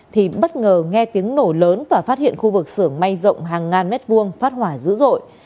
thì bất ngờ nghe tiếng nổ lớn và phát hiện khu vực xưởng may rộng hàng ngàn mét vuông phát hỏa dữ dội